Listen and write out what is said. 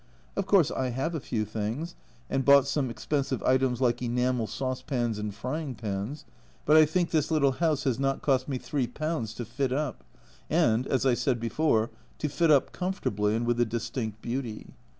Of course, I have a few things, and bought some expensive items like enamel saucepans and frying pans but I think this little house has not cost me 3 to fit up, and, as I said before, to fit up comfortably, and with a distinct beauty.